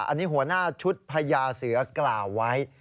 อันนี้หัวหน้าชุดพญาเสือกล่าวไว้